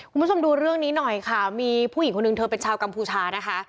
คุณผู้ชมดูเรื่องนี้หน่อยค่ะมีผู้หญิงคนหนึ่งเธอเป็นชาวกัมพูชานะคะ